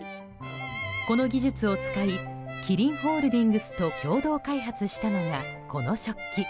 この技術を使いキリンホールディングスと共同開発したのが、この食器。